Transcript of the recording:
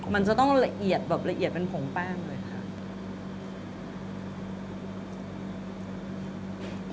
มันจะต้องละเอียดแบบละเอียดเป็นผงแป้งเลยค่ะ